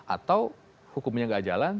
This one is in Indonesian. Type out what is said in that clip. atau hukumnya tidak jalan